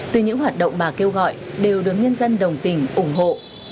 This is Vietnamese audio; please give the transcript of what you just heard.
từ những hoạt động bà kêu gọi đều được nhân dân đồng tình ủng hộ